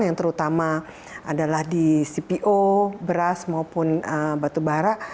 yang terutama adalah di cpo beras maupun batubara